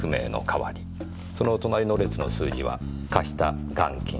その隣の列の数字は貸した元金。